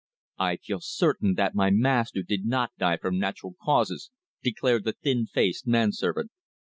"I feel certain that my master did not die from natural causes," declared the thin faced man servant.